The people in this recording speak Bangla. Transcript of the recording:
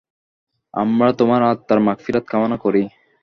আমরা তোমার আত্মার মাগফিরাত কামনা করি।